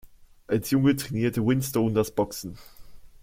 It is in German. Als Junge trainierte Winstone das Boxen.